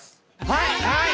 はい！